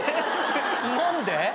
何で？